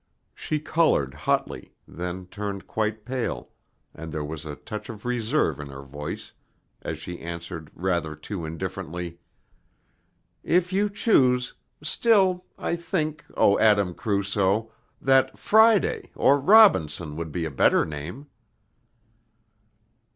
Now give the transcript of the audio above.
She colored hotly, then turned quite pale, and there was a touch of reserve in her voice as she answered rather too indifferently, "If you choose, still I think, O Adam Crusoe, that Friday or Robinson would be a better name."